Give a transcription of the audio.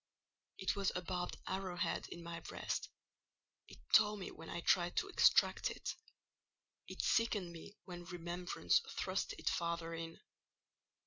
It was a barbed arrow head in my breast; it tore me when I tried to extract it; it sickened me when remembrance thrust it farther in.